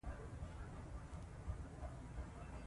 کرکټرونه یې له واقعي ژوند الهام اخیستی و.